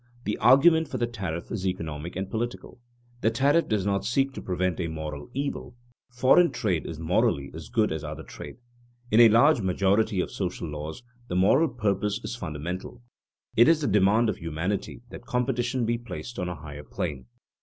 The argument for the tariff is economic and political. The tariff does not seek to prevent a moral evil; foreign trade is morally as good as other trade. In a large majority of social laws the moral purpose is fundamental. It is the demand of humanity that competition be placed on a higher plane.